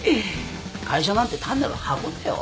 会社なんて単なる箱だよ